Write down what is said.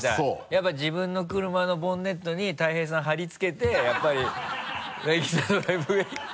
やっぱ自分の車のボンネットに大平さん張り付けてやっぱりなぎさドライブウェイ